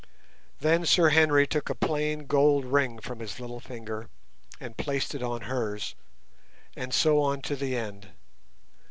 Then Sir Henry took a plain gold ring from his little finger and placed it on hers, and so on to the end.